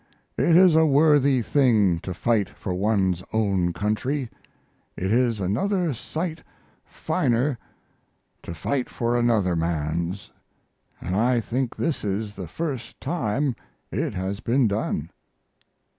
It is a worthy thing to fight for one's own country. It is another sight finer to fight for another man's. And I think this is the first time it has been done.